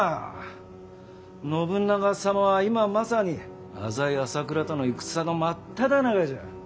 信長様は今まさに浅井朝倉との戦の真っただ中じゃ。